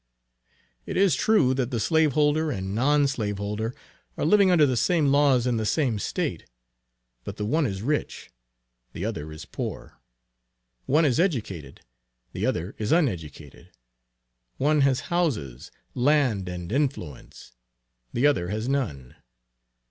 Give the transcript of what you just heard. It is true, that the slaveholder, and non slaveholder, are living under the same laws in the same State. But the one is rich, the other is poor; one is educated, the other is uneducated; one has houses, land and influence, the other has none.